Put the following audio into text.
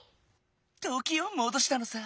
ときをもどしたのさ！